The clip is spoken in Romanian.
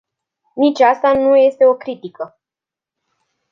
Nici asta nu este o critică.